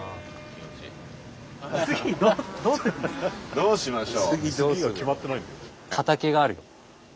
どうしましょう？